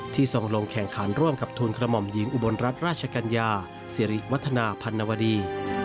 ที่ส่งลงแข่งขันร่วมกับทุนขมมย์หญิงอุบรรณรัชรัชกัญญาสิริวัฒนาพันธวรี